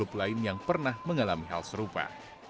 bagi beberapa klub lain yang pernah mengalami hal serupa